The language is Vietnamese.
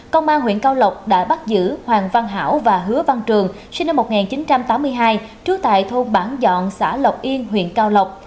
công an huyện cao lộc đã bắt giữ hoàng văn hảo và hứa văn trường sinh năm một nghìn chín trăm tám mươi hai trú tại thôn bản dọn xã lộc yên huyện cao lộc